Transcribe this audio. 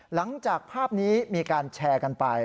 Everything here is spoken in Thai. หลังจากภาพนี้มีการแชร์กันไป